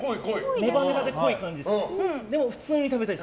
ネバネバで濃い感じです。